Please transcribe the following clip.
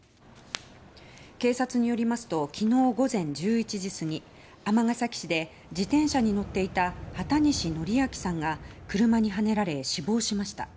警察によりますと昨日午前１１時過ぎ、尼崎市で自転車に乗っていた畑西徳明さんが車にはねられ、死亡しました。